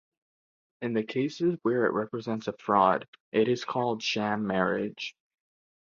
In the cases when it represents a fraud, it is called sham marriage.